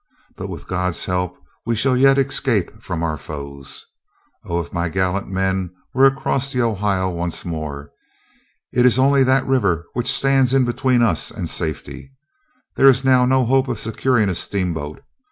But with God's help we shall yet escape from our foes. Oh, if my gallant men were across the Ohio once more! It is only that river which stands in between us and safety. There is now no hope of securing a steamboat.